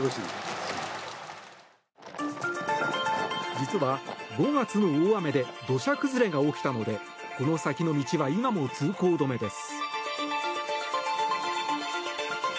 実は、５月の大雨で土砂崩れが起きたのでこの先の道は今も通行止めです。